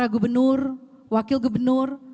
ketua wakil gubernur